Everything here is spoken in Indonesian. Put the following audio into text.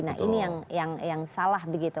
nah ini yang salah begitu